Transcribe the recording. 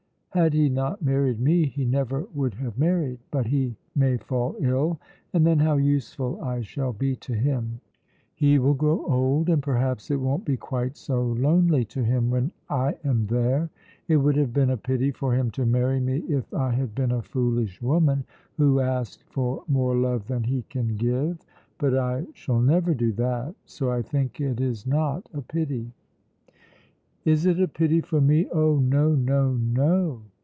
Had he not married me he never would have married; but he may fall ill, and then how useful I shall be to him! He will grow old, and perhaps it won't be quite so lonely to him when I am there. It would have been a pity for him to marry me if I had been a foolish woman who asked for more love than he can give; but I shall never do that, so I think it is not a pity. "Is it a pity for me? Oh, no, no, no!